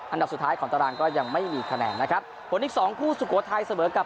อันดับสุดท้ายของตารางก็ยังไม่มีคะแนนนะครับผลอีกสองคู่สุโขทัยเสมอกับ